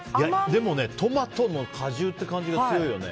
でもトマトの果汁っていう感じが強いよね。